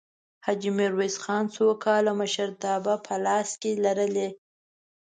حاجي میرویس خان څو کاله مشرتابه په لاس کې لرلې؟